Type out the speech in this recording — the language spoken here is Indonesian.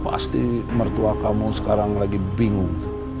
pasti mertua kamu sekarang lagi bingung